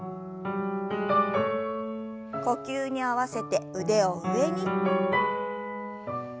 呼吸に合わせて腕を上に。